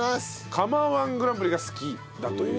釜ー１グランプリが好きだという。